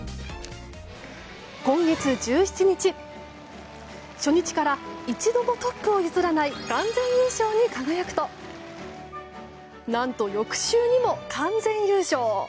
今月１７日初日から一度もカップを譲らない完全優勝に輝くと何と、翌週にも完全優勝。